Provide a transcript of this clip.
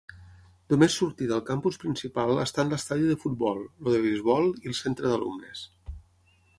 Només sortir del campus principal estan l'estadi de futbol, el de beisbol i el centre d'alumnes.